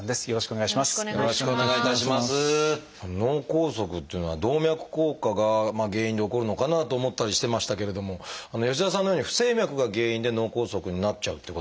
脳梗塞っていうのは動脈硬化が原因で起こるのかなと思ったりしてましたけれども吉澤さんのように不整脈が原因で脳梗塞になっちゃうっていうこともあるんですね。